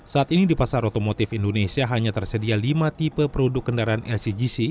saat ini di pasar otomotif indonesia hanya tersedia lima tipe produk kendaraan lcgc